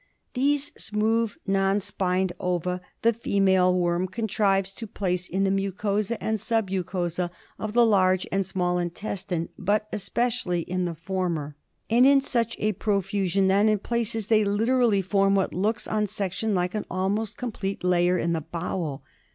These smooth, non spined ova the female worm contrives to place in the mucosa and submucosa of the large and small intestine, but especially in the former. and in such profusion that in places they literally form what looks on section like an almost complete layer in the bowel.